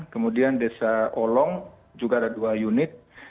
kemudian desa olong juga ada dua unit